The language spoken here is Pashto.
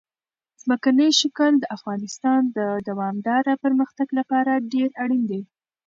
ځمکنی شکل د افغانستان د دوامداره پرمختګ لپاره ډېر اړین دي.